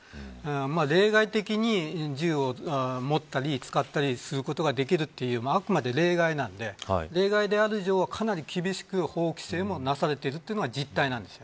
例外的に銃を持ったり使ったりすることができるというあくまで例外なので例外である以上は、かなり厳しく法規制もなされているのが実態です。